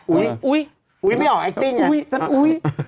อุ๊ยอุ๊ยไอติ้งครับอุ๊ย